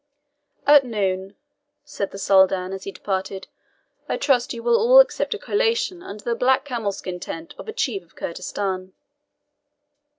"At noon," said the Soldan, as he departed, "I trust ye will all accept a collation under the black camel skin tent of a chief of Kurdistan."